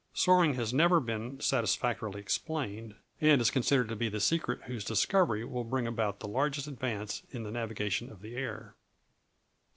Soaring has never been satisfactorily explained, and is considered to be the secret whose discovery will bring about the largest advance in the navigation of the air.